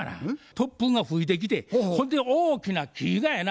突風が吹いてきてほんで大きな木がやな